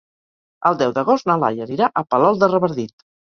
El deu d'agost na Laia anirà a Palol de Revardit.